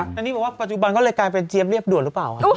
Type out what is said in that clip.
อันนี้บอกว่าปัจจุบันก็เลยกลายเป็นเจี๊ยบเรียบด่วนหรือเปล่า